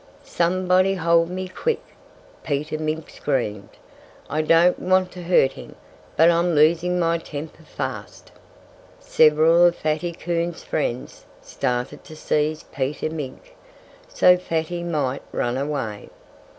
"Somebody hold me, quick!" Peter Mink screamed. "I don't want to hurt him but I'm losing my temper fast." Several of Fatty Coon's friends started to seize Peter Mink, so Fatty might run away.